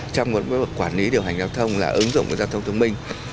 trong một quản lý điều hành giao thông là ứng dụng giao thông thông minh